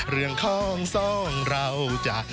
เรื่องของสองเราจะ